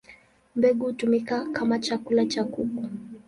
Mbegu hutumika kama chakula cha kuku.